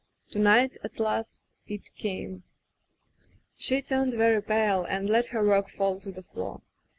To night, at last, it came. She turned very pale and let her work fall to the floor.